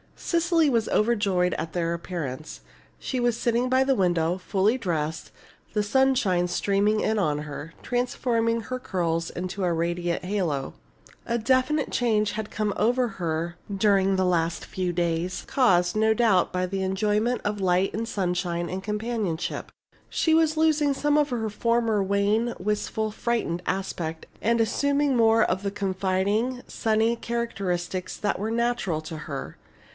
Cecily was overjoyed at their appearance. She was sitting by the window, fully dressed, the sunshine streaming in on her, transforming her curls into a radiant halo. A definite change had come over her during the last few days, caused, no doubt, by the enjoyment of light and sunshine and companionship. She was losing some of her former wan, wistful, frightened aspect, and assuming more of the confiding, sunny characteristics that were natural to her.